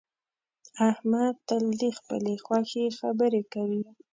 احمد تل د خپلې خوښې خبرې کوي